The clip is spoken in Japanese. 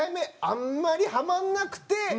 あんまりハマらなくて